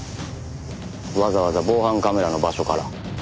わざわざ防犯カメラの場所から。